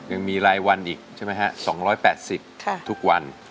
ยังมีรายวันอีกใช่ไหมฮะ๒๘๐ทุกวัน